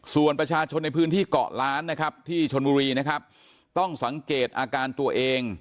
ส่วนประชาชนในพื้นที่เกาะล้านที่ชนมุรีต้องสังเกตอาการตัวเอง